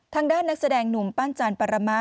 ทางด้านนักแสดงหนุ่มปั้นจานปรมามะ